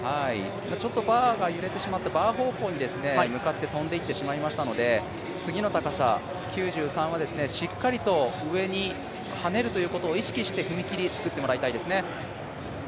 ちょっとバーが揺れてしまってバー方向に向かって跳んでいってしまいましたので次の高さ９３はしっかりと上に跳ねるということを意識して踏み切り作ってもらいたいですね。